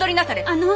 あの。